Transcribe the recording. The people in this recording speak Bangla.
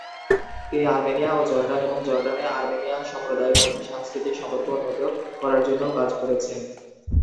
তিনি আর্মেনিয়া ও জর্ডান এবং জর্ডানে আর্মেনিয়ান সম্প্রদায়ের মধ্যে সাংস্কৃতিক সম্পর্ক উন্নত করার জন্যও কাজ করেছেন।